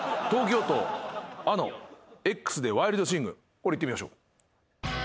これいってみましょう。